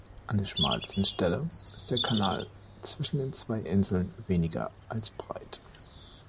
An der schmalsten Stelle, ist der Kanal zwischen den zwei Inseln weniger als breit.